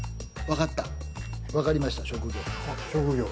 分かりました、職業。